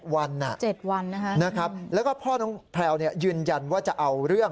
วัน๗วันนะครับแล้วก็พ่อน้องแพลวยืนยันว่าจะเอาเรื่อง